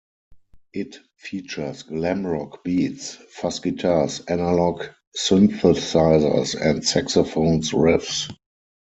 It features glam rock beats, fuzz guitars, analog synthesizers and saxophones riffs.